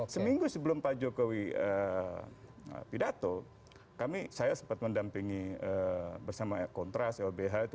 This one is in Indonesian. seminggu sebelum pak jokowi pidato kami saya sempat mendampingi bersama kontras lbh itu